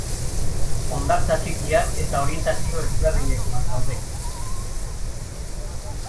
Hondartza txikiak eta orientazio ezberdinekoak daude.